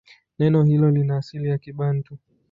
Neno hilo lina asili ya Kibantu.